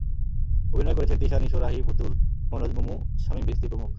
অভিনয় করেছেন তিশা, নিশো, রাহি, পুতুল, মনোজ, মুমু, শামীম ভিস্তী প্রমুখ।